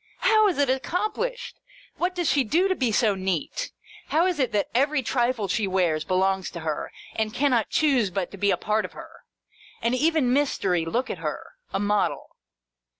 How is it accomplished ? What does she do to be so neat ? How is it that every trifle she wears, belongs to her, and cannot choose but be a part of her 1 And even Mystery, look at her ! A model.